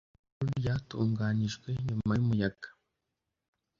Ijuru ryatunganijwe nyuma yumuyaga.